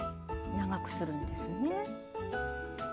長くするんですね。